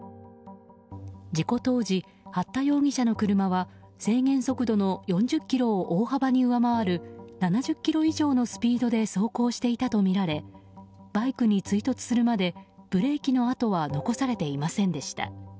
事故当時、八田容疑者の車は制限速度の４０キロを大幅に上回る７０キロ以上のスピードで走行していたとみられバイクに追突するまでブレーキの跡は残されていませんでした。